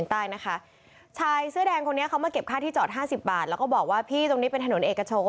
นะค่ะชายเสื้อแดงเสียงเล็กคนนี้มาเก็บค่าที่จอด